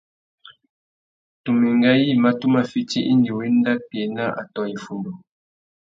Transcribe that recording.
Tu mà enga yïmá tu má fiti indi wá enda kā ena atõh iffundu.